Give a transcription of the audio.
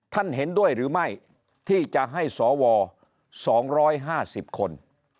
เห็นด้วยหรือไม่ที่จะให้สว๒๕๐คน